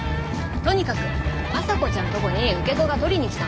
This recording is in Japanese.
とにかくまさこちゃんとこに受け子が取りに来たんだって。